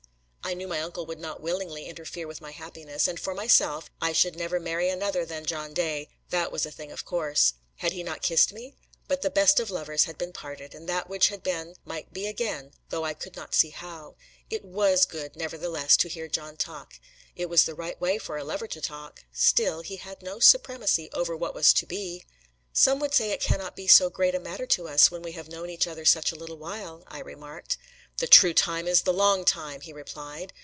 I knew my uncle would not willingly interfere with my happiness, and for myself, I should never marry another than John Day that was a thing of course: had he not kissed me? But the best of lovers had been parted, and that which had been might be again, though I could not see how! It was good, nevertheless, to hear John talk! It was the right way for a lover to talk! Still, he had no supremacy over what was to be! "Some would say it cannot be so great a matter to us, when we have known each other such a little while!" I remarked. "The true time is the long time!" he replied.